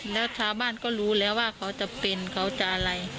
แล้วชาวบ้านก็รู้แล้วว่าเขาจะเป็นเขาจะอะไร